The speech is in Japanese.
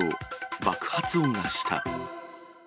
爆発音がした。